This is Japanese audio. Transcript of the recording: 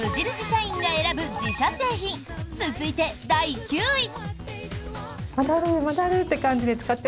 社員が選ぶ自社製品続いて、第９位。